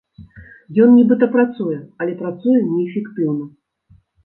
Ён нібыта працуе, але працуе неэфектыўна.